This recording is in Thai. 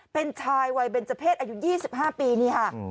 เป็นชายวัยเบนเจอร์เพศอายุยี่สิบห้าปีนี่ค่ะอืม